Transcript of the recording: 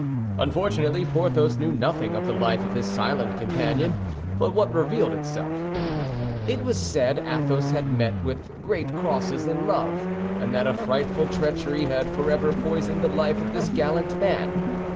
Unfortunately Porthos knew nothing of the life of his silent companion but what revealed itself. It was said Athos had met with great crosses in love, and that a frightful treachery had forever poisoned the life of this gallant man.